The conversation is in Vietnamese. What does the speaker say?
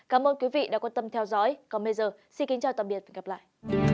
cảm ơn quý vị đã quan tâm theo dõi